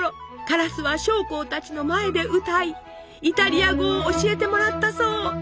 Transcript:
カラスは将校たちの前で歌いイタリア語を教えてもらったそう。